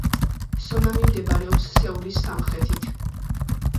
სონამი მდებარეობს სეულის სამხრეთით.